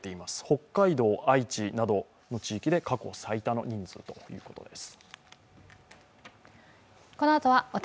北海道、愛知などの地域で過去最多の人数ということです。